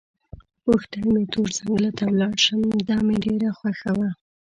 غوښتل مې تور ځنګله ته ولاړ شم، دا مې ډېره خوښه وه.